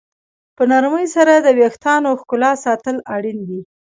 په نرمۍ سره د ویښتانو ښکلا ساتل اړین دي.